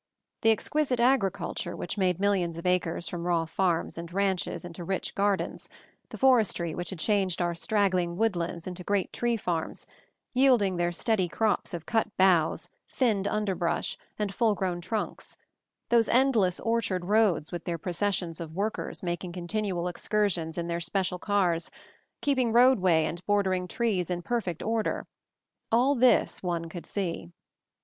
The exquisite agriculture which made mil lions of acres from raw farms and ranches into rich gardens, the forestry which had changed our straggling woodlands into great tree farms, yielding their steady crops of cut boughs, thinned underbrush, and full grown trunks, those endless orchard roads, with their processions of workers making continual excursions in their special cars, keeping roadway and bordering trees in perfect order — all this one could see.